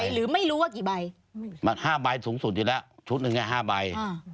หรือไม่รู้ว่ากี่ใบ